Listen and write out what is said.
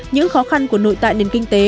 những khó khăn của nội tại nền kinh tế